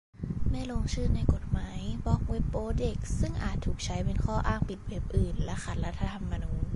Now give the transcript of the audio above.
ไม่ลงชื่อในกฎหมายบล็อคเว็บโป๊เด็ก ซึ่งอาจถูกใช้เป็นข้ออ้างปิดเว็บอื่นและขัดรัฐธรรมนูญ